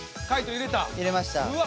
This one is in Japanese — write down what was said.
入れました。